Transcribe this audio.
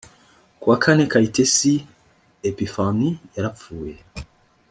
ku wa kane kayitesi epiphanie yarapfuye